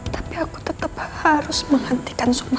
tapi aku tetep harus menghentikan sumar